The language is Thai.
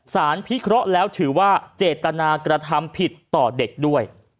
พิเคราะห์แล้วถือว่าเจตนากระทำผิดต่อเด็กด้วย